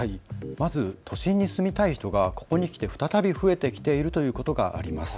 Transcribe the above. まず都心に住みたい人がここにきて再び増えてきているということがあります。